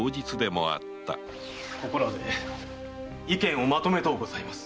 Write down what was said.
ここらで意見をまとめとうございます。